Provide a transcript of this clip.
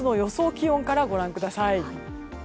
気温からご覧ください。